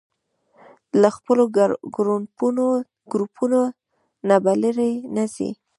له خپلو ګروپونو نه به لرې نه ځئ.